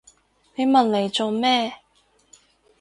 你問嚟做咩？